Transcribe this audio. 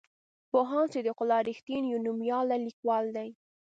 پوهاند صدیق الله رښتین یو نومیالی لیکوال دی.